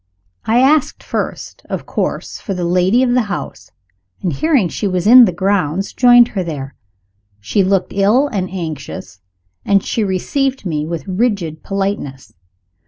I asked first, of course, for the lady of the house, and hearing she was in the grounds, joined her there. She looked ill and anxious, and she received me with rigid politeness.